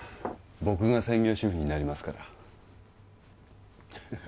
僕が専業主夫になりますからハハハ